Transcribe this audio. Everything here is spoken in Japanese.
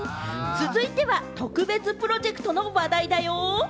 続いては特別プロジェクトの話題だよ。